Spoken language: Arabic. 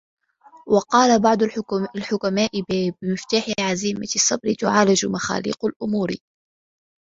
وَقَالَ بَعْضُ الْحُكَمَاءِ بِمِفْتَاحِ عَزِيمَةِ الصَّبْرِ تُعَالَجُ مَغَالِيقُ الْأُمُورِ